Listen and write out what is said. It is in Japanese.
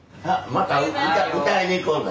また歌歌いに行こうね。